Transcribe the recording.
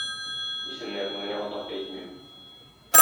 Исемнәрен генә атап әйтмим.